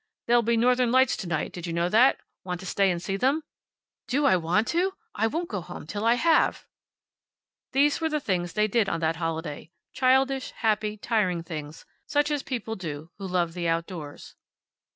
There'll be northern lights to night; did you know that? Want to stay and see them?" "Do I want to! I won't go home till I have." These were the things they did on that holiday; childish, happy, tiring things, such as people do who love the outdoors.